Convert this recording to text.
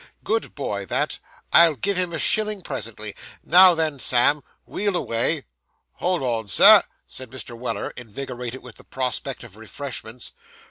'Good boy, that. I'll give him a shilling, presently. Now, then, Sam, wheel away.' 'Hold on, sir,' said Mr. Weller, invigorated with the prospect of refreshments.